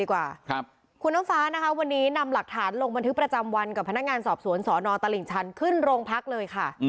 คุณน้ำฟ้านะคะวันนี้นำหลักฐานลงบันทึกประจำวันกับพนักงานสอบสวนสนตลิ่งชันขึ้นโรงพักเลยค่ะ